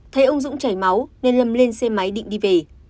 thấy ông dũng chảy máu nên lâm lên xe máy định đi về